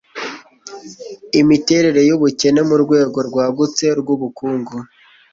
imiterere y'ubukene mu rwego rwagutse rw'ubukungu